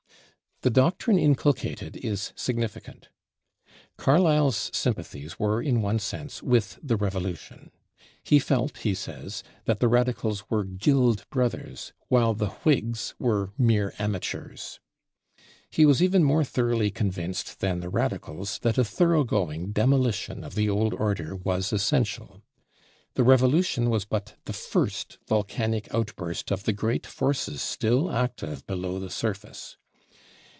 The doctrine inculcated is significant. Carlyle's sympathies were in one sense with the Revolution. He felt, he says, that the Radicals were "guild brothers," while the Whigs were mere "amateurs." He was even more thoroughly convinced than the Radicals that a thoroughgoing demolition of the old order was essential. The Revolution was but the first volcanic outburst of the great forces still active below the surface.